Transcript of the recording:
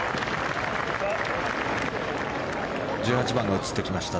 １８番が映ってきました